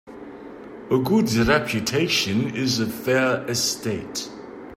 A good reputation is a fair estate.